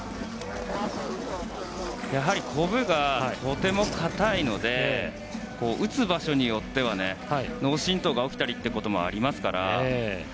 やはりコブがとても硬いので打つ場所によっては脳振とうが起きたりということもありますから。